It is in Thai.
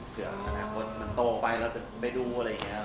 เผื่ออนาคตมันโตไปแล้วเราจะไปดูอะไรอย่างนี้